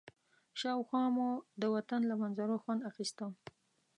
شاوخوا مو د وطن له منظرو خوند اخيسته.